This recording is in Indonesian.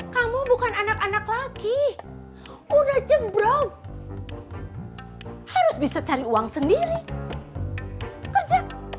kamu bukan anak anak lagi udah jembro harus bisa cari uang sendiri kerja